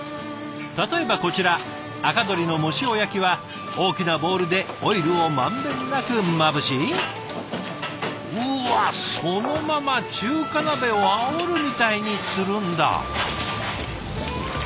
例えばこちら赤どりの藻塩焼きは大きなボウルでオイルをまんべんなくまぶしうわそのまま中華鍋をあおるみたいにするんだ。